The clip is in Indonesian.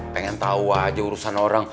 pengen tahu aja urusan orang